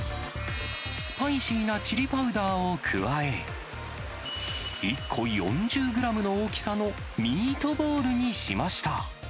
スパイシーなチリパウダーを加え、１個４０グラムの大きさのミートボールにしました。